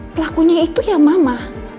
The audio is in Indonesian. pelakunya itu ya mama